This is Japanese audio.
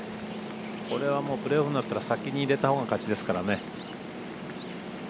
これはプレーオフになったら先に入れたほうが勝ちですからね。